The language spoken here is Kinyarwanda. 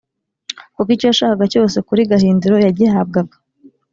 kuko icyo yashakaga cyose kuri gahindiro yagihabwaga